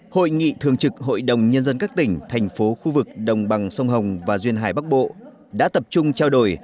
hội nghị thường trực hội đồng nhân dân các tỉnh thành phố khu vực đồng bằng sông hồng và duyên hải bắc bộ đã tập trung trao đổi